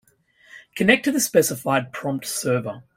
Connect to the specified prompt server.